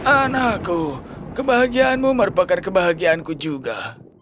anakku kebahagiaanmu merupakan kebahagiaanku juga